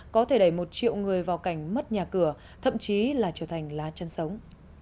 có thể đẩy một triệu người vào cảnh mất nhà cửa thậm chí là trở thành lá chân sống